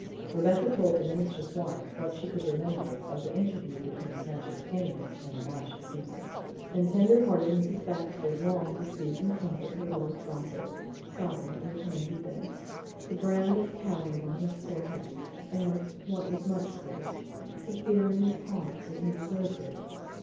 Rebecca told the minister's wife what she could remember of the interview between Cassius Came and Elisha Simpson, and tender hearted Mrs. Baxter longed to seek and comfort her Little Prophet sobbing in the tansy bed, the brand of coward on his forehead, and what was much worse, the fear in his heart that he deserved it.